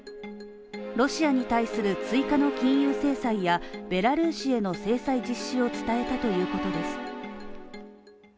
ロシアに対する追加の金融制裁やベラルーシへの制裁実施を伝えたということです。